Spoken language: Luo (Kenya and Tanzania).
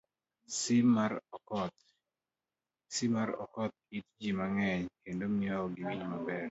C. mar Oketho it ji mang'eny kendo miyo ok giwinj maber